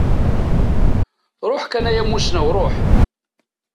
Ruḥ kan a yamusnaw ruḥ!